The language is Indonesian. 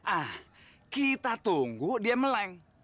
ah kita tunggu dia meleng